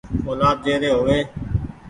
اولآد جي ري هووي ۔